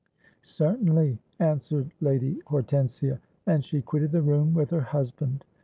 '—'Certainly,' answered Lady Hortensia; and she quitted the room with her husband.